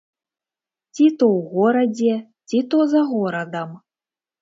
Ці то ў горадзе, ці то за горадам.